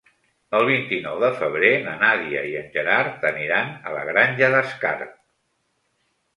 El vint-i-nou de febrer na Nàdia i en Gerard aniran a la Granja d'Escarp.